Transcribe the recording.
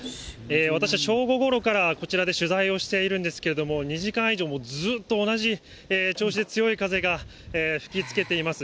私は正午ごろから、こちらで取材をしているんですけれども、２時間以上もうずっと同じ調子で強い風が吹きつけています。